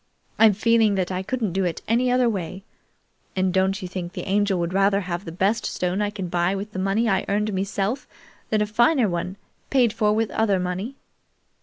I'm feeling that I couldn't do any other way, and don't you think the Angel would rather have the best stone I can buy with the money I earned meself than a finer one paid for with other money?"